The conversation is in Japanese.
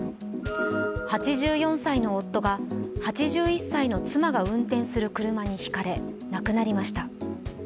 ８４歳の夫が８１歳の妻が運転する車にひかれ、亡くなりました。